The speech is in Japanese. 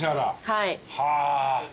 はい。